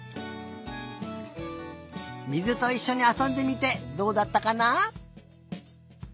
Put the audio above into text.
水といっしょにあそんでみてどうだったかな？